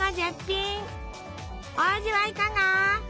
お味はいかが？